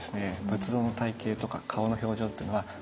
仏像の体型とか顔の表情っていうのはへぇ。